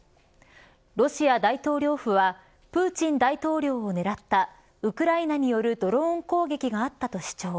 ロシア大統領府はプーチン大統領を狙ったウクライナによるドローン攻撃があったと主張。